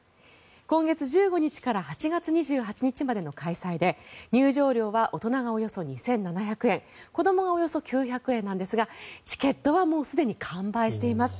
今月１５日から８月２８日までの開催で入場料は大人がおよそ２７００円子どもがおよそ９００円ですがチケットはもうすでに完売しています。